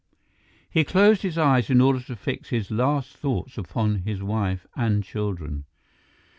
He closed his eyes in order to fix his last thoughts upon his wife and children.